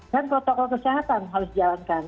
dan protokol kesehatan harus dijalankan